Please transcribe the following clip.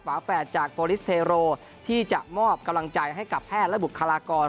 ฝาแฝดจากโปรลิสเทโรที่จะมอบกำลังใจให้กับแพทย์และบุคลากร